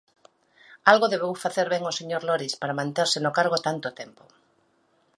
Algo debeu facer ben o señor Lores para manterse no cargo tanto tempo.